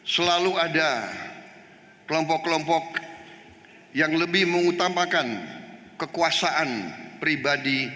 selalu ada kelompok kelompok yang lebih mengutamakan kekuasaan pribadi